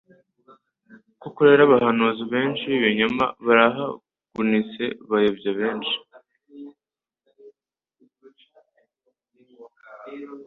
Koko rero abahanuzi benshi b'ibinyoma barahagunitse bayobya benshi,